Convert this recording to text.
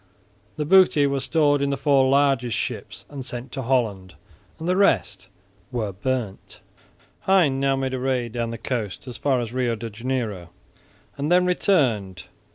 The booty was stored in the four largest ships and sent to Holland; the rest were burnt. Hein now made a raid down the coast as far as Rio de Janeiro and then returned.